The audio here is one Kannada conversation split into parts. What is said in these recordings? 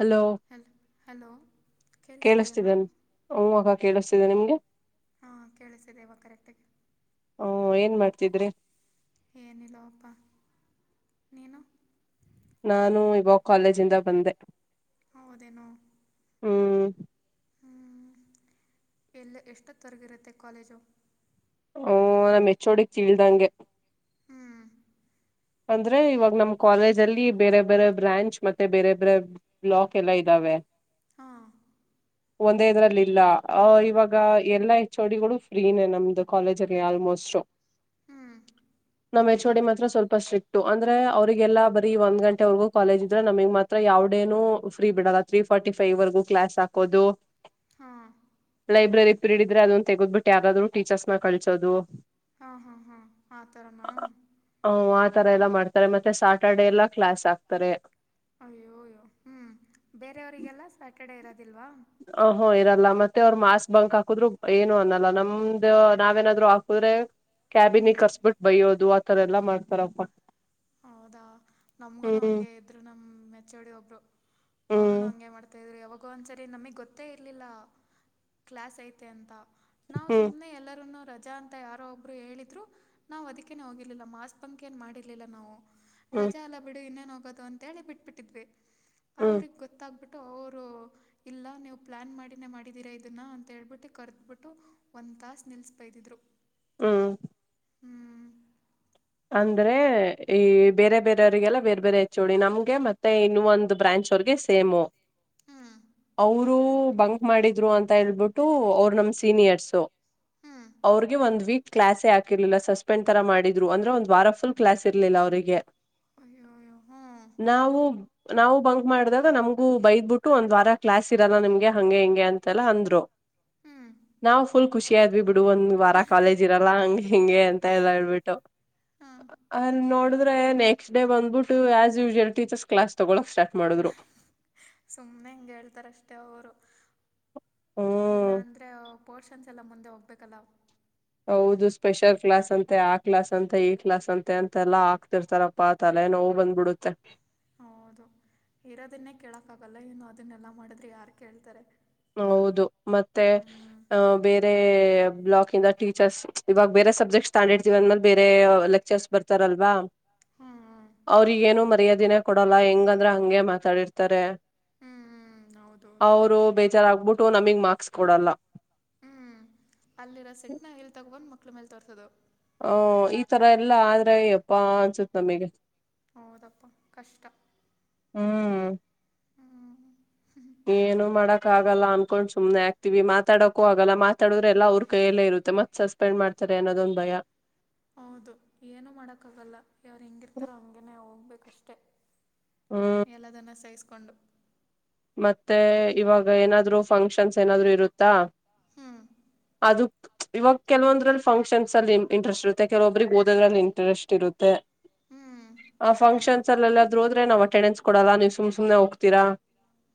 ಹಲೋ ಹಲ್ ಹಲೋ ಕೇಳಿಸ್ತಿದೆನಾ ಕೇಳಿಸ್ತಿದ್ದೇನ್ ಹೂ ಅಕ್ಕ ಕೇಳಿಸ್ತಿದೆ ನಿಮ್ಗೆ. ಹಾ ಕೇಳಿಸ್ತಿದೆ ಇವಾಗ್ ಕರೆಕ್ಟಾಗಿ. ಓ ಏನ್ ಮಾಡ್ತಿದ್ರಿ. ಏನಿಲೋ ಅಪ್ಪ ನೀನು. ನಾನು ಇವಾಗ್ ಕಾಲೇಜಿಂದ ಬಂದೆ. ಹೌದೇನೋ ಹ್ಮ್ ಹ್ಮ್ ಎಲ್ ಎಷ್ಟೊತ್ತೊರಗಿರುತ್ತೆ ಕಾಲೇಜು. ಓ ನಮ್ ಎಚ್ ಓ ಡಿಗ್ ತಿಳ್ದಂಗೆ. ಹ್ಞೂ ಅಂದ್ರೆ ಇವಾಗ್ ನಮ್ ಕಾಲೇಜ್ ಅಲ್ಲಿ ಬೇರೆ ಬೇರೆ ಬ್ರಾಂಚ್ ಮತ್ತೆ ಬೇರೆ ಬ್ರೆ ಬ್ಲಾಕ್ ಎಲ್ಲ ಇದ್ದಾವೆ. ಹಾಂ ಒಂದೇ ಇದ್ರಲ್ಲಿ ಇಲ್ಲ ಅ ಇವಾಗ ಎಲ್ಲಾ ಹೆಓಚ್ಡಿಗಳು ಫ್ರೀನೇ ನಮ್ದು ಕಾಲೇಜಲ್ಲಿ ಆಲ್ಮೋಸ್ಟ್. ಹ್ಞೂ ನಮ್ಮ್ ಹೆಚೋಡಿ ಮಾತ್ರ ಸ್ವಲ್ಪ ತುಂಬಾ ಸ್ಟ್ರಿಕ್ಟ್. ಅಂದ್ರೆ ಅವ್ರರಿಗೆಲ್ಲ ಬರಿ ಒಂದ್ ಗಂಟೆವರೆಗೂ ಕಾಲೇಜ್ ಇದ್ರೆ ನಮಗ್ ಮಾತ್ರ ಯಾವಡೇನನು ಫ್ರೀ ಬಿಡದ ತ್ರೀ ಫಾರ್ಟಿ ಫೈವ್ವರೆಗೂ ಕ್ಲಾಸ್ ಹಾಕೋದು. ಹಾಂ ಲೈಬ್ರರಿ ಪೀರಿಯಡ್ ಇದ್ರೆ ಅದೊಂದು ತೆಗೋಬಿಟ್ಟು ಯಗಾದ್ರರು ಟೀಚರ್ಸ್ನ ಕಳಸೋದು. ಹಾ ಹಾ ಹಾ ಆ ತರನಾ ಹ ಆತರ ಎಲ್ಲ ಮಾಡ್ತಾರೆ ಮತ್ತೆ ಸಾಯಾಟರ್ಡೆ ಎಲ್ಲ ಕ್ಲಾಸ್ ಆಕ್ತಾರೆ. ಅಯ್ಯೋ ಅಯ್ಯ ಹ್ಮ್ ಬೇರೆಯವರಿಗೆಲ್ಲ ಸ್ಯಾಟರ್ಡೆ ಇರೋದಿಲ್ವಾ? ಅ ಹ ಹೊ ಇರಲ್ಲ ಮತ್ತೆ ಅವರು ಮಾಸ್ಕ್ ಬಂಕ್ ಹಾಕುದ್ರು ಏನು ಅನ್ನಲ್ಲ ನಮ್ದ ನಾವೇನಾದ್ರು ಹಾಕುದ್ರೆ ಹ್ಞೂ ಕ್ಯಾಬಿನಿಗೆ ಕರ್ಸ್ಬಿಟ್ಟು ಬಯ್ಯೋದು ಆತರ ಎಲ್ಲಾ ಮಾಡ್ತಾರಪ್ಪ. ಹೌದಾ ನಮ್ಗುನು ಹ್ಮ್ ಹಂಗೆ ಇದರು ನಮ್ಮ ಹೋಡ್ ಒಬ್ರು ಹ್ಮ್ ಅವರುೂನು ಹಂಗೆ ಮಾಡ್ತ ಮ್ರರು ಯಾವಾಗೋ ಒಂದ್ಸರಿ ನಮಗೆ ಗೊತ್ತೇ ಇರ್ಲಿಲ್ಲ, ಕ್ಲಾಸ್ ಐತೆ ಅಂತ ನಾ ಹ್ಮ್ ಸುಮ್ನೆ ಎಲ್ಲರನ್ನು ರಜಾ ಅಂತ ಅ ಯಾರೋ ಒಬ್ರು ಹೇಳಿದ್ರು ನಾವು ಅದಿಕೇನೆೇ ಹೋಗಿಲಿಲ್ಲ ಮಾಸ್ ಬಂಕಯಏನ್ ಮಾಡರ್ಲಿಲ್ಲ ನಾವು ಹ್ಮ್ ರಜೆ ಅಲ್ಲ ಬಿಡು ಇನ್ನೇನು ಹೋಗೋದು ಅಂತೇಳಿ ಬಿಟ್ಬಿಟ್ಟಿದ್ವಿ ಹ್ಮ್ ಅವ್ರಿಗೆ ಗೊತ್ತಾಗ್ಬಿಟ್ಟು ಅವರು ಇಲ್ಲ ನೀವು ಪ್ಲಾನ್ ಮಾಡಿನ ಮಾಡಿದೀರಾ ಇದನ್ನ ಅಂತ ಹೇಳ್ಬಿಟ್ಟು ಕರ್ದಬಿಟ್ಟು ಒಂದ್ ತಾಸ ನಿಲ್ಬೈ ಇದಿದ್ರು. ಹ್ಮ್ ಹ್ಮ್ ಅಂದ್ರೆ ಈ ಬೇರೆ ಬೇರೆಯವ್ರರಿಗೆಲ್ಲ ಬೇರೆ ಬೇರೆ ಹೆಚ್ಚೋಳಿ ನಮ್ಗೆ ಮತ್ತೆ ಇನ್ನು ಒಂದು ಬ್ರಾಂಚ್ ಅವ್ರಗೆ ಸೇಮು ಹ್ಞೂ ಅವರು ಬಂಗ ಮಾಡಿದ್ರು ಅಂತ ಹೇಳ್ಬಿಟ್ಟು ಅವ್ರ ನಮ್ ಸೀನಿಯರ್ಸ್ ಹ್ಞೂ ಅವ್ರಿಗೆ ಒಂದ ವೀಕ್ ಕ್ಲಾಸೇ ಹಾಕಿರ್ಲಿಲ್ಲ ಸಸ್ಪೆಂಡ್ ತರ ಮಾಡಿದ್ರು ಅ್ರಂ ದ್ರೆ ಒಂದ ವಾರ ಫುಲ್ ಕ್ಲಾಸ್ ಇರ್ಲಿಲ್ಲ ಅವರಿಗೆ. ಯ ಹ ನಾವು ನಾವು ಬಂಕ್ ಮಾಡ್ದಾಗ ನಮ್ಗೂ ಬೈದ್ ಬಿಟ್ಟು ಒಂದ್ ವಾರ ಕ್ಲಾಸ್ ಇರಲ್ಲ ನಿಮ್ಗೆ ಹಂಗೆ ಹೆಿಂಗೆ ಅಂತೆಲ್ಲ ಅಂದ್ರು. [inaudible] ಹ್ಮ್ ನಾವು ಫುಲ್ ಖುಷಿಯ ಆದ್ವಿ ಬಿಡು ಒಂದ್ ವಾರ ಕಾಲೇಜ್ ಇರಲ್ಲ ಹಂಗ್ ಹಿಂಗೆ ಅಂತ ಎಲ್ಲ ಹೇಳ್ಬಿಟ್ಟು. ಹ್ಮ್ ಅಲ್ಲಿ ನೋಡಿದ್ರೆ ನೆಕ್ಸ್ಟ್ ಡೇ ಬಂದ್ಬಿಟ್ಟು ಆಸ್ ಯೂಶಲ್ ಟೀಚರ್ಸ್ ಕ್ಲಾಸ್ ತಗೊಳ್ಳಕ್ ಸ್ಟಾರ್ ಮಾಡಿದ್ರು. ಸುಮ್ಮ್ನೆ ಹಂಗಗೆ ಹೇಳ್ತಾರ ಅಷ್ಟೆ ಅವರು ಇಲ್ಲ ಹ್ಮ್ ಅಂದ್ರೆ ಪೋರ್ಷನ್ಸ್ ಎಲ್ಲ ಮುಂದೆ ಹೋಗ್ಬೇಕಲ್ಲ. ಹೌದು ಸ್ಪೆಷಲ್ ಕ್ಲಾಸ್ ಅಂತೆ ಆ ಕ್ಲಾಸ್ ಅಂತೆ ಈ ಕ್ಲಾಸ್ ಅಂತೆ ಅಂತೆಲ್ಲಾ ಹಾಕ್ತಿರ್ತಾರ ಪಾ ತಲೆೆ ನೋವು ಬಂದ್ಬಿಡುತ್ತೆ. ಹೌದು ಇರೋದನ್ನೇ ಕೇಳಕ್ಕ ಆಾಗಲ್ಲ ಇನ್ನು ಅದನ್ನೆಲ್ಲ ಮಾಡಿದ್ರೆ ಯಾರ್ ಕೇಳ್ತಾರೆ? ಹೌದು ಮತ್ತೆ ಹ್ಮ್ ಬೇರೆ ಬ್ಲಾಕ್ ಇಂದ ಟೀಚರ್ಸ್ ಇವಾಗ ಬೇರೆ ಸಬ್ಜೆಕ್ಟ್ ಸ ತಂಡ ಇಡ್ತೀವಿ ಅಂದ್ಮೇಲೆ ಬೇರೆ ಲೆಕ್ಚರ್ಸ್ ಬರ್ತಾರಲ್ವಾ. ಹ್ಮ್ ಅವ್ರಿಗೇನು ಮರ್ಯಾದಿನೇ ಕೊಡಲ್ಲ ಹೆಂಗಂದ್ರ ಹಗೆ ಮಾತಾಡಿರ್ತಾರೆ. ಹ್ಮ್ ಹ್ಮ್ ಹೌದು ಅವರು ಬೇಜಾರಾಗಬಿಟ್ಟು ನಮಗ್ ಮಾರ್ಕ್ಸ್ ಕೊಡಲ್ಲ. ಹ್ಮ್ ಅಲ್ಲಿರೋ ಸೆಟ್ನ ಎ ಇಲ್ಲಿ ತಗೊಂದ್ ಮಕ್ಳು ಮೇಲೆ ತೋರ್ತದು ಹ ಈ ತರ ಎಲ್ಲಾ ಆದ್ರೆ್ಯಪ್ಪಾ ಅನ್ಸತ್ ನಮಿಗೆ ಹೌದಪ್ಪ ಕಷ್ಟ ಹ್ಮ್ ಹ್ಮ್ ಏನು ಮಾಡಕ್ ಆಗಲ್ಲ ಅನ್ಕೊಂಡ್ ಸುಮ್ಮ್ನೆ ಆಗ್ತಿೀವಿ ಮಾತಾಡಕೂ ಆಗಲ್ಲ ಮಾತಾಡುದ್ರೆಲ್ಲಾ ಅವ್ರ ಕೈಯಲ್ಲೇ ಇರುತ್ತೆ ಮತ್ ಸಸ್ ಸಸ್ಪೆಂಡ್ತಾರೆ ಅನ್ನೋದೊಂದು ಭಯಾ ಹೌದು ಏನೂ ಮಾಡೋಕ್ಕಾಗಲ್ಲ ಯಾರ್ ಹೆಂಗಿರ್ತಾರೋ ಹಾಗೇೇ ಹೋಗ್ಬೇಕಷ್ಟೆ. [unintelligible] ಎಲ್ಲದನ್ನು ಸಹಿಸ್ಕೊಂಡು ಮತ್ತೆ ಇವಾಗ ಏನಾದ್ರು ಫಂಕ್ಷನ್ಸ್ ಏನಾದ್ರು ಇರುತ್ತಾ ಹ್ಮ್ ಅದು ಇವಾಗ ಕೆಲೊಂದ್ರಲ್ಲಿ ಫಂಕ್ಷನ್ಸ್ ಅಲ್ಲಿ ಇಂಟ್ರೆಸ್ಟ್ ಇರುತ್ತೆ ಕೆಲವೊಬ್ರಿಗೆ ಓದೋದ್ರಲ್ಲಿ ಇಂಟ್ರೆಸ್ಟ್ ಇರುತ್ತೆ. ಹ್ಞೂ ಆ ಹೌದು ಫಂಕ್ಷನ್ಸ್ ಅಲ್ಲ ಎಲ್ಲಾದೂ ಹೋದ್ರೆ ನಾವ್ ಅಟೆಂಡೆನ್ಸ್ ಕೊಡಲ್ಲ ನೀವು ಸುಮ್ ಸುಮನೆ ಹೋಗ್ತೀರಾ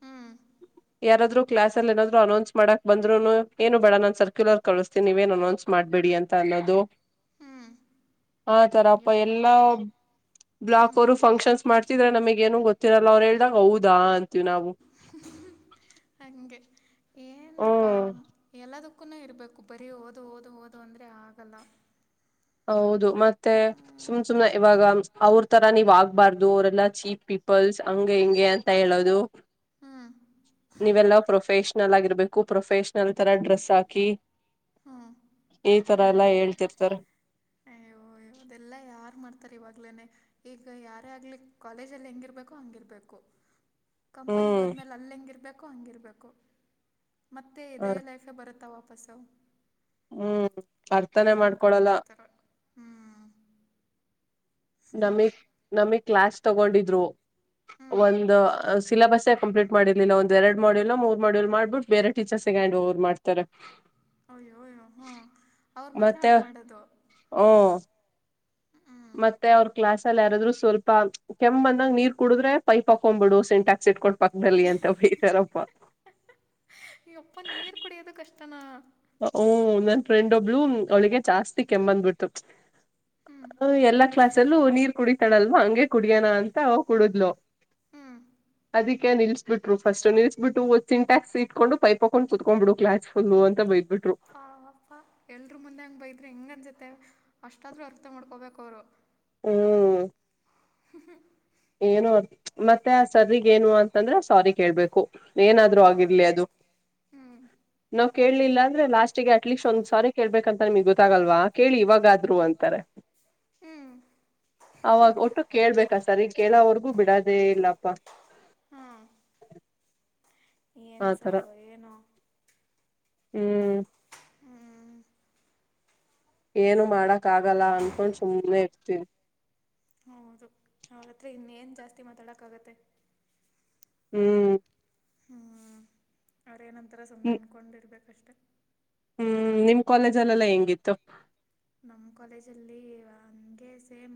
ಹ್ಮ್ [unintelligible] ಯಾರಾದ್ರು ಕ್ಲಾಸ್ನಲ್ಲಿ ಏನಾದರು ಅನೌನ್ಸ್ ಮಾಡಕ್ ಬಂದ್ರುನು ಏನು ಬೇಡ ನಾನ ಸರ್ಕ್ಯುಲರ್ ಕಸ್ತೀನಿ ನೀವು ಏನು ಅನೌನ್ಸ್ ಮಾಡಬೇಡಿ ಅಂತ ಅನ್ನೋದು ಹ್ಮ್ ಆ ತರಪ್ಪ ಯಪ್ಪ ಎಲ್ಲಾ ದೇವ್ರೆ ಬ್ಲಾಕ್ ಹ್ಮ್ ಅವರು ಫಂಕ್ಷನ್ಸ್ ಮಾಡ್ತಿದ್ರೆ ನಮಿಗೆ ಏನು ಗೊತ್ತಿರಲ್ಲ ಅವ್ರು ಹೇಳ್ದಾಗ ಹೌದಾ ಅಂತೀವಿ ನಾವು. ಹಂಗೆ ಏನಪ್ಪಾ ಹ್ಮ್ ಎಲ್ಲದಕ್ಕೂನು ಇರಬೇಕು ಬರೀ ಓದು ಓದು ಓದು ಅಂದ್ರೆ ಆಗಲ್ಲ. ಹೌದು ಮತ್ತೆ ಹ್ಮ್ ಸುಮ್- ಸುಮ್ನೆ ಇವಾಗ ಅವ್ರ ತರ ನೀವ್ ಆಗ್ಬಾರ್ದು ಅವರೆಲ್ಲಾ ಚೀಪ್ ಪೀಪಲ್ಸ್ ಹಂಗೆ ಹಿಂಗೆ ಅಂತ ಹೇಳೋದು. [inaudible] ಹ್ಞೂ ನೀವೆಲ್ಲ ಪ್ರೊಫೆಷ್ನಲ್ ಆಗಿರ್ಬೇಕು ಪ್ರೊಫೆಷ್ನಲ್ ತರ ಡ್ರೆಸ್ ಹಾಕಿ ಹ್ಞೂ ಈ ತರ ಎಲ್ಲಾ ಸುಮ್ಮನೆ ಹೇಳ್ತಿರ್ತರೆ ಅಯ್ಯೋ ಅದೆಲ್ಲ ಯಾರ್ ಮಾಡ್ತಾರೆ ಇವಾಗ್ಲೇನೆ ಈಗ ಯಾರೇ ಆಗಲಿ ಕಾಲೇಜಲ್ಲಿ ಹೆೇಂಗಿರಬೇಕು ಹಂಗಿರಬೇಕು? ಕಂಪನಿಗೆ ಹ್ಮ್ ಹೋದ್ಮೇಲೆ ಅಲ್ಲಿ ಹೆಂಗಿರ್ಬೇಕು ಹಂಗಿರ್ಬೇಕು. ಮತ್ತೆ ಹ ಇದೇ ಲೈಫ ಬರುತ್ತಾ ವಾಪಸ್ಸು ಹ್ಮ್ ಅರ್ಥನೇ ಏನಕ್ ಅಂಗ್ ಮಾಡ್ಕೊಳಲ್ಲ ಮಾಡ್ತಾರೋ ಹ್ಞೂ ನಮಿಗ್ ನಮಿಗ್ ಕ್ಲಾಸ್ ತಗೊಂಡಿದ್ರು ಹ್ಞೂ ಒಂದು ಸಿಲೆಬಸ್ಸೆ ಕಂಪ್ಲೀಟ್ ಮಾಡಿರ್ಲಿಲ್ಲಾ ಒಂದ ಎರಡ್ ಮಾಡ್ಯೂಲ್ ಮೂರ್ ಮಾಡ್ಯೂಲ್ ಮಾಡ್ಬಿಟ್ಟ ಬೇರೆ ಟೀಚರ್ಸಗೆ ಹ್ಯಾಂಡ್ ಓವರ್ ಮಾಡ್ತಾರೆ. ಅಯ್ಯೋ ಅಯ್ಯೋ ಹ್ಞ ಅವರು ಮಾತ್ರ ಹಂಗ ಮಾಡೋದು ಹ್ಮ ಹ್ಞೂ ಮತ್ತೆ ಅವ್ರ ಕ್ಲಾಸ್ ಅಲ್ಲಿ ಯಾರಾದ್ರು ಸ್ವಲ್ಪ ಕೆಮ್ಮ್ ಬಂದಾಗ ನೀರ್ ಕುಡುದ್ರೆ ಪೈಪ್ ಹಾಕೊಂಡ್ಬಿಡು ಸೆಂಟ್ಯಾಕ್ಸ್ ಇಟ್ಕೊಂಡು ಪಕ್ಕದಲ್ಲಿ ಅಂತ ಬೈತಾರಪ್ಪ. ಈ ಒಪ್ಪ ನೀರು ಕುಡಿಯೋದ ಕಷ್ಟನಾ ಹು ನನ್ ಫ್ರೆಂಡ್ ಒಬ್ಳು ಅವಳಿಗೆ ಜಾಸ್ತಿ ಕೆಮ್ಮ್ ಬಂದ್ ಬಿಡ್ತು ಹ್ಞೂ ಹು ಎಲ್ಲಾ ಕ್ಲಾಸ್ಸ್ನಲ್ಲೂ ನೀರ್ ಕುಡಿತಾಳಲ್ವ ಹಂಗೆ ಕುಡಿಯೋಣ ಅಂತ ಕುಡುದ್ಲು [unintelligible] [inaudible] ಹ್ಞೂ ಅದಕ್ಕೆ ನಿಲ್ಸ್ ಬಿಟ್ರು ಫಸ್ಟ್ ನಿಲ್ಸ್ಬಿಟ್ಟು ಸಿನ್ ಟ್ಯಾಕ್ಸ್ ಇಟ್ಕೊಂಡು ಪೈಪ್ ಹಕೊಂಡು ಕುತ್ಕ್ಬ ಬಿಡು ಕ್ಲಾಸ್ ಫುಲ್ ಅಂತ ಬೈದ್ರು ಬಿಟ್ಟರು [unintelligible] ಹಾ ಪಾಪ್ಪ ಎಲ್ರು ಮುಂದೆ ಹಂಗೆ ಬೈದ್ರೆ ಹಿಂಗ ಅನ್ಸುತೆ ಅಷ್ಟಾದ್ರೂ ಅರ್ಥ ಮಾಡ್ಕೋಬೇಕಲ್ಲ ಅವ್ರು. ಹ್ಮ್ ಏನು ಅದ [unintelligible] ಮತ್ತೆ ಆ ಸರ್ರಗ್ ಏನು ಅಂತಂದ್ರೆ ಸಾರಿ ಕೇಳ್ಬೇಕು ಏನಾದ್ರು ಹಾಂ ಆಗಿರ್ಲಿ ಅದು. ಹ್ಞೂ [inaudible] ನಾವ್ ಕೇಲಿಲ್ಲ ಅಂದ್ರೆ ಲಾಸ್ಟ್ ಗೆ ಅಟ್ಲೀಸ್ಟ್ ಒಂದ್ ಸಾರಿ ಕೇಳ್ಬೇಕ ಅಂತ ನಿಮ್ಗ್ ಗೊತ್ತಾಗಲ್ವಾ ಕೇಳಿ ಇವಾಗಾದ್ರು ಅಂತಾರೆ ಹ್ಞೂ ಅವಾಗ ಒಟ್ಟು ಕೇಳ್ಬೇಕಾ ಸರ್ ಈಗ ಕೇಳೋವರ್ಗೂ ಬಿಡದೇ ಇಲ್ಲಪ್ಪ ಹಾಂ ಏನು ಆತರ ಸರ್ ಏನೋ ಹ್ಮ್ ಹ್ಮ್. ಏನು ಮಾಡಕ್ ಆಗಲ್ಲ ಅನ್ಕೊಂಡ್ ಸುಮ್ನೆ ಇರ್ತೀನಿ. ಹೌದು. ಅವತ್ತೇ ಇನ್ನೇನ ಜಾಸ್ತಿ ಮಾತಾಡಕ್ಕಾಗತ್ತೆ. ಹ್ಮ್. ಹ್ಞ ಅವ್ರ ಏನಂತಾರೆ ಸುಮ್ಮನೆ ಅಂದ್ಕೊಂಡ ಇರಬೇಕು ಅಷ್ಟೇ. ಹ್ಮ್ ನಿಮ್ಮ ಕಾಲೇಜಲ್ಲೆಲ್ಲಾ ಹೆಂಗಿತ್ತು. ನಮ್ಮ ಕಾಲೇಜಲ್ಲಿ ಹಂಗೆ ಸೇಮ.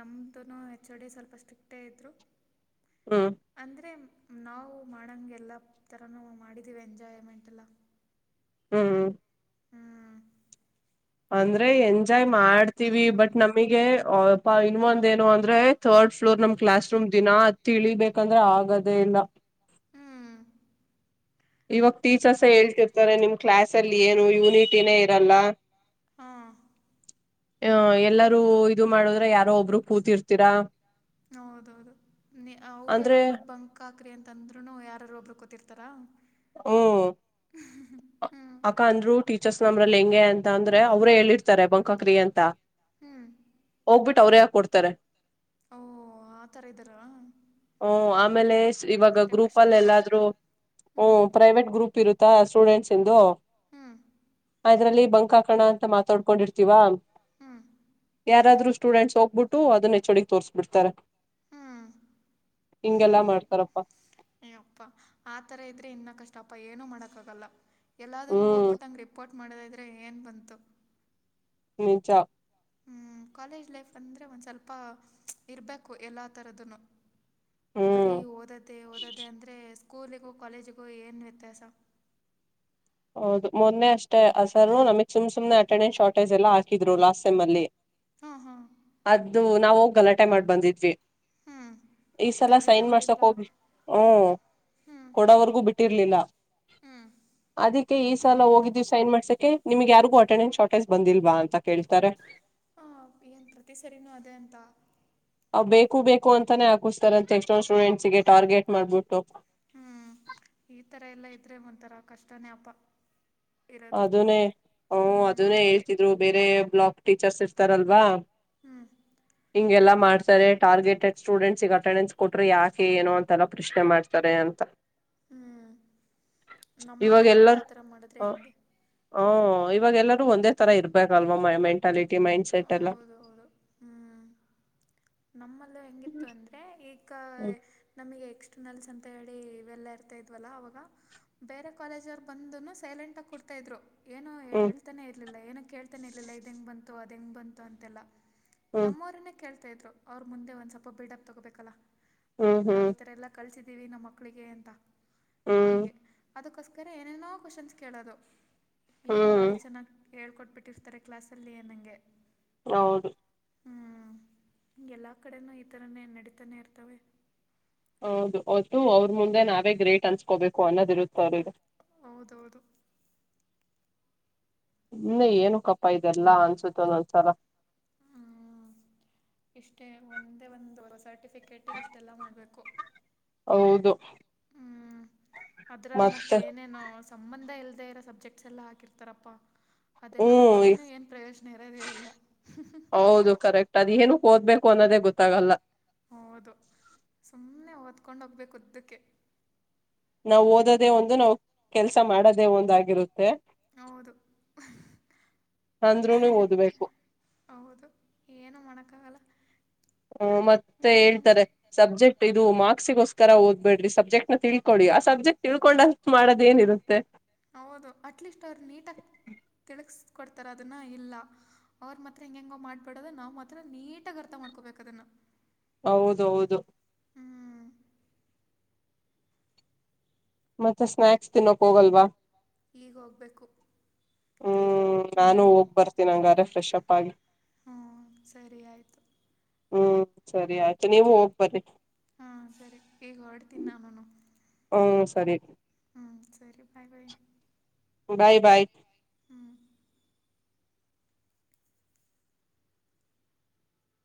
ನಮ್ದುನು ಹೆಚ್ ಓ ಡಿ ಸ್ವಲ್ಪ ಸ್ಟ್ರಿಕ್ಟೇ ಇದ್ರು. ಹ್ಮ್. ಅಂದ್ರೆ ನಾವು ಮಾಡಂಗೆಲ್ಲ ಎಲ್ಲ ಥರನಾವು ಮಾಡಿದ್ದೀವಿ ಎಂಜಾಯ್ಮೆಂಟ್ ಎಲ್ಲ. ಹ್ಮ್ ಹ್ಞೂ ಅಂದ್ರೆ ಎಂಜಾಯ್ ಮಾಡ್ತೀವಿ ಬಟ್ ನಮಗೆಪ ಇನ್ನೊಂದು ಏನು ಅಂದ್ರೆ ರ್ಡ್ ಫ್ಲೋರ್ ನಮ್ ಕ್ಲಾಸ್ ರೂಮ್ ದಿನಾ ತಿಳಿಬೇಕಂದ್ರೆ ಆಗದೇ ಇಲ್ಲ ಹ್ಞೂ ಇವಾಗ ಯಪ್ಪ ಟೀಚರ್ಸ್ ಹೇಳ್ತಿರ್ತಾರೆ ನಿಮ್ ಕ್ಲಾಸ್ ಅಲ್ಲಿ ಏನು ಯೂನಿಟಿನೇ ಇರಲ್ಲ ಹಾಂ ಆ ಎಲ್ಲರೂ ಇದು ಮಾಡದ್ರ ಯಾರೋ ಒಬ್ಬರು ಕೂತಿರ್ತೀರಾ ಹೌದೌದು ಅವರೇ ಅಂದ್ರೆ ಬಂದ್ಬಿಟ್ ಬಂಕ್ ಹಕಾಕ್ರಿ ಅಂತಂದ್ರು ಯಾರೂ ಒಬ್ಬರು ಕೂತಿರ್ತಾರ ಹ್ಮ ಹ್ಞೂ ಅಕ ಅಂದ್ರು ಟೀಚರ್ಸ್ ನಂಬ್ರಲ್ಲಿ ಹೆಂಗೆ ಅಂತ ಅಂದ್ರೆ ಅವ್ರೇ ಹೇಳಿರ್ತಾರೆ ಬಂಕಕ್ರಿ ಅಂತ ಹ್ಮ್ ಹೋಗ್ಬಿಟ್ಟು ಅವ್ರೇಕ ಕೊಡ್ತಾರೆ ಓ ಆ ತರ ಇದ್ದಾರಾ ಹ ಓ ಆಮೇಲೆ ಏ, ಇವಾಗ ಹಂಗಿದ್ರೆ ಗ್ರೂಪ್ ಅಲ್ಲಿ ಕಷ್ಟಪ್ಪ ಎಲ್ಲಾದ್ರೂ ಹ್ಞೂ ಹ್ಮ್ ಪ್ರೈವೇಟ್ ಗ್ರೂಪ್ ಇರುತ್ತಾ ಸ್ಟೂಡೆಂಟ್ಸ್ ತಿಂದು ಹ್ಞೂ ಅ್ರಲ್ಲಿ ಬಂಕಾಕಣ ಅಂತ ಮಾತಾಡ್ಕೊಂಡಿರ್ತೀವಾ ಹ್ಞೂ ಯಾರಾದ್ರು ಸ್ಟೂಡೆಂಟ್ಸ್ ಹೋಗ್ಬಿಟ್ಟು ಅದನ್ನ ಹೊಡ್ಗೆ ತೋರಿಸ್ಬಿಡ್ತಾರೆ ಹ್ಞೂ ಹಿಂಗೆಲ್ಲಾ ಮಾಡ್ತಾರಪ್ಪಾ ಅಪ್ಪ ಆ ತರ ಇದ್ರೆ ಇನ್ನ ಕಷ್ಟಪ್ಪ ಏನನು ಮಾಡೋಕಕ್ಕಾಗಲ್ಲ ಎಲ್ಲೂ ಹ್ಮ್ ಹೋಗಬಿಟ್ಟ ಹಂಗಗೆ ರಿಪೋರ್ಟ್ ಮಾಡೋದಿದ್ರೆ ಏನ್ ಬಂತು ನೇಜ ಕಾಲೇಜ್ ಲೈಫ್ ಅಂದ್ರರೆ ಒಂದು ಸ್ವಲ್ಪ ಇರಬೇಕು ಎಲ್ಲ ಥರದ್ದ ಬರೀ ಹ್ಮ್ ಓದದ್ದೇ ಓದದ್ದೇ ಅಂದ್ರೆ ಸ್ಕೂಲಿಗೋ ಕಾಲೇಜಿಗೋ ಏನ್ ವ್ಯತ್ಯಾಸ ಹೌದು ಮೊದನೇ ಅಷ್ಟೇ ಹಾ ಸರು ನಮಗ್ ಸುಮ್ ಸುಮನೆ ಅಟೆಂಡೆನ್ಸ್ ಶಾರ್ಟೇಜ್ ಎಲ್ಲ ಹಾಕಿದ್ರು ಲಾಸ್ಟ್ಟೈಮ್ ಅಲ್ಲಿ ಹಾ ಹಾ ಅದ್ದದು ನಾವವು ಹೋಗ್ ಗಲಾಟೆ ಮಾಡ್ ಬಂದಿದ್ವಿ ಹ್ಞೂ ಈ ಸಲ ಗಲಾಟೆ ಸೈನ್ ಮಾಡ್ಸಕ್ ಮಾಡಿದ್ರಾ ಹೋಗ್ ಹ್ಮ ಕೊಡವರ್ಗೂ ಬಿಟ್ಟ ಇಟ್ಟಿರ್ಲಿಲ್ಲ ಹ್ಮ್ ಅದಿಕ್ಕೆ ಈ ಸಲ ಹೋಗಿದೀವಿ ಸೈನ್ ಮಾಡ್ಸಕಕ್ಕೆ ನಿಮ್ಗೆ ಯಾರಿಗೂ ಅಟೆಂಡೆನ್ಸ್ ಶಾರ್ಟಜ್ ಬಂದಿಲ್ವಾ ಅಂತ ಕೇಳ್ತಾರೆ ಹಾ ಏನ್ ಪ್ರತಿ ಸರಿನೂ ಅದೇ ಅಂತ ಅವು ಬೇಕು ಬೇಕು ಅಂತಾನೇ ಹಾಕಿಸ್ತಾರ ಅಂತೆ ಎಕ್ಸ್ ಒ ಸ್ಟೂಡೆಂಟ್ಸ್ ಗೆ ಟಾರ್ಗೆಟ್ ಮಾಡ್ಬಿಟ್ಟು ಹ್ಮ್ ಈ ತರ ಎಲ್ಲಾ ಇದ್ರೆ ಒಂಥರ ಕಷ್ಟನೇಪ ಅದನೇ ಓ ಅದನೇ ಹ್ಞೂ ಹೇಳ್ತಿದ್ರು ಬೇರೆ ಬ್ಲಾಕ್ ಟೀಚರ್ಸ್ ಇರ್ತಾರಲ್ವಾ ಹ್ಮ್ ಹಿಂಗೆಲ್ಲಾ ಮಾಡ್ತಾರೆ ಟಾರ್ಗೆಟೆಡ್ ಸ್ಟೂಡೆಂಟ್ಸ್ಗ್ ಅಟೆಂಡೆನ್ಸ್ ಕೊಟ್ರರು ಯಾಕೆ ಏನುೋ ಅಂತೆಲ್ಲ ಪ್ರಶ್ನೆ ಮಾಡ್ತಾರೆ ಅಂತ [inaudible] ನಮ್ಮವ್ರೆ ಇವಾಗ್ ಬಟ್ ಎಲ್ಲರ್ ಆ ಥರ ಮಾಡಿದ್ರೆ ಹೆಂಗೆ ಹ ಇವಾಗ ಎಲ್ಲರೂ ಒಂದೇ ತರ ಇರ್ಬೇಕಲ್ವಾ ಮ ಮೆಂಟಾಲಿಟಿ ಮೈಂಡ್ಸೆಟ್ ಎಲ್ಲ ಹೌದೌದು ನಮ್ಮಲ್ಲಿ ಹೆಂಗಿತ್ತು ಅಂದ್ರೆ ಈಗ ಹ್ಮ್ ನಮಗೆ ಎಸ್ ಇಂಟರ್ನಲ್ಸ್ ಅಂತ ಹೇಳಿ ಇವೆಲ್ಲ ಇರ್ತಾ ಇದ್ವಲ್ಲ ಅವಾಗ ಬೇರೆ ಕಾಲೇಜ್ ಅವರ್ ಬಂದನು ಸೈಲೆಂಟ್ ಆಗಿ ಕೊಡ್ತಾ ಇದ್ರು ಏನೋ ಹ್ಮ್ ಹೇಳ್ತಾನೇ ಇರಲಿಲ್ಲ ಏನೂ ಕೇಳ್ತಾನೇ ಇರಲಿಲ್ಲ ಇದು ಹೆಂಗೆ ಬಂತು ಅದು ಹೆಂಗೆ ಬಂತು ಅಂತೆಲ್ಲ ಹ್ಮ್ ನಮ್ಮವರನ್ನೇ ಕೇಳ್ತಾ ಇದ್ರು ಅವ್ರ್ ಮುಂದೆ ಒಂದ್ ಸ್ವಲ್ಪ ಬಿಡಪ್ ತಗೋಬೇಕಲ್ಲ ಹ್ಮ್ ನಾವ್ ಹ್ಮ್ ಈತರ ಎಲ್ಲ ಕಲ್ಸಿದೀವಿ ನಮ್ಮ ಮಕ್ಕಳಿಗೆ ಅಂತ ಹ್ಮ್ ಹಂಗೆ ಅದಕ್ಕೋಸ್ಕರ ಏನೇನೋ ಕ್ವಶನ್ಸ್ ಕೇಳೋದು ಏನು ಹ್ಮ್ ಭಾರಿ ಚೆನ್ನಾಗಿ ಹೇಳ್ಕೊಟ್ಟಬಿಡತಾರೆ ಕ್ಲಾಸಲ್ಲಿ ಅನಂಗೆ ಹೌದು ಹ್ಮ ಹಗೆ ಎಲ್ಲ ಕಡೆನು ಈ ಥರನೇ ನಡೀತಾನೆ ಇರ್ತವೆ ಹೌದು ಒಟ್ಟು ಅವ್ರ ಮುಂದೆ ನಾವೇ ಗ್ರೇಟ್ ಅನ್ಸ್ಕೋಬೇಕು ಅನ್ನೋದ್ ಇರುತ್ತ ಅವ್ರಿಗೆ ಹೌದೌದು ಸುಮ್ನೆ ಏನುಕಪ್ಪ ಇದೆಲ್ಲಾ ಅನ್ಸುತ್ತ ಒಂದೊಂದ್ಸಲ ಹ್ಮ್ ಇಷ್ಟೇ ಒಂದೇ ಒಂದು ಸರ್ಟಿಫಿಕೇಟಿಗೆ ಇಷ್ಟೆಲ್ಲ ಮಾಡ್ಬೇಕು ಹೌದು ಅದ್ರಲ್ಲಿ ಮತ್ತ್ ಮತ್ತೆ ಏನೇನೋ ಸಂಬಂಧ ಇಲ್ದೆೇ ಇರೋ ಸಬ್ಜೆಕ್ಟ್ಸ್ ಎಲ್ಲ ಹಾಕಿರ್ತಾರಪ್ಪಾ ಅದೆಲ್ಲ ಹ್ಮ್ ಓದಿನೂ ಏನು ಪ್ರಯೋಜನ ಇರೋದ ಇಲ್ಲ ಹೌದು ಕರೆಕ್ಟ್ ಅದ ಏನುಕ್ ಓದ್ಬೇಕು ಅನ್ನೋದೇ ಗೊತ್ತಾಗಲ್ಲ ಹೌದು ಸುಮ್ನೆ ಓದ್ಕೊಂಡ್ ಹೋಗ್ಬೇಕು ಉದ್ದಕ್ಕೆ ನಾವು ಓದೋದೇ ಒಂದು ನಾವು ಕೆಲ್ಸ ಮಾಡೋದೇ ಒಂದಗಿರುತ್ತೆ ಹೌದು ಅಂದ್ರುನು ಓದ್ಬೇಕು ಹೌದು ಏನುೂ ಮಾಡೋಕ್ಕಾಗಲ್ಲ ಹ್ಮ ಮತ್ತೆ ಹೇಳ್ತಾರೆ ಸಬ್ಜೆಕ್ಟ್ ಇದು ಮಾರ್ಕ್ಸಿಗೋಸ್ಕರ ಓದ್ ಬೇಡ್ರಿ ಸಬ್ಜೆಕ್ಟ್ನ ತಿಳ್ಕೊಳಿ ಆ ಸಬ್ಜೆಕ್ಟ್ ತಿಳ್ಕೊಂಡಷ್ಟು ಮಾಡೋದ ಏನಿರುತ್ತೆ ಹೌದು ಅಟ್ಲೀಸ್ಟ್ ಅವ್ರು ನೀಟಾಗಿ ತಿಳ್ಸ್ಕೊಡ್ತಾರ ಅದನ್ನ ಇಲ್ಲ ಅವ್ರ ಮಾತ್ರ ಹೆಂಗ ಹೆಂಗ ಮಾಡ್ಬೇಡೋದ ನಾವ್ ಮಾತ್ರ ನೀಟಾಗಿ ಅರ್ಥ ಮಾಡ್ಕೋಬೇಕ ಅದನ್ನ ಹೌದೌದು ಮತ್ತೆ ಸ್ನಾಯಕ್ಸ್ ತಿನ್ನೋಕ್ ಹೋಗಲ್ವಾ ಈಗೋಗಬೇಕು ಹ್ಮ್ ನಾನು ಹೋಗ್ ಬರ್ತೀನಿ ಹಂಗಾರೆ ಫ್ರೆಶ್ ಅಪ್ ಆಗಿ ಹ್ಮ್ ಸರಿ ಆಯಿತು ಹ್ಮ್ ಸರಿ ಆಯ್ತು ನೀವು ಹೋಗ್ ಬನ್ನಿ ಹಾಂ ಸರಿ ಈಗ ಹೊರಡ್ತಿನಿ ನಾನು ಹ್ಮ್ ಸರಿ ಹ್ಮ್ ಸರಿ ಬಾಯ್ ಬಾಯ್ ಬಾಯ್ ಬಾಯ್ ಹ್ಞೂ